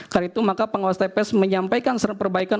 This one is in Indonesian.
karena itu maka penguasa tps menyampaikan seran perbaikan